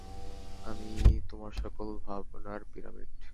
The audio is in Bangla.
আমি-ই তোমার সকল ভাবনার পিরামিড!